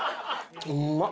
うまっ！